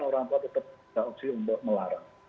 orang tua tetap ada opsi untuk melarang